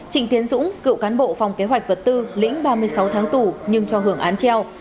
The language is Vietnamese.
trịnh tiến dũng cựu cán bộ phòng kế hoạch vật tư lĩnh ba mươi sáu tháng tù nhưng cho hưởng án treo